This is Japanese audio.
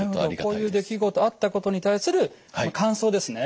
こういう出来事あったことに対する感想ですね